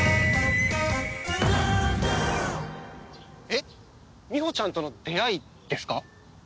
えっみほちゃんとの出会いですか？